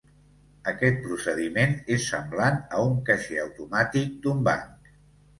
Aquest procediment és semblant a un caixer automàtic d'un banc.